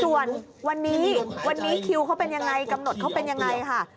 ส่วนวันนี้คิวเขาเป็นอย่างไรกำหนดเขาเป็นอย่างไรค่ะ